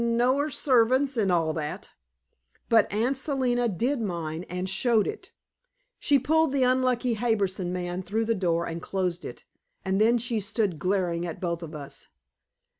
No er servants, and all that." But Aunt Selina did mind, and showed it. She pulled the unlucky Harbison man through the door and closed it, and then stood glaring at both of us.